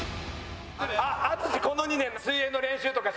淳この２年水泳の練習とかしましたか？